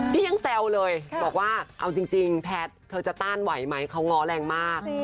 ยังแซวเลยบอกว่าเอาจริงแพทย์เธอจะต้านไหวไหมเขาง้อแรงมาก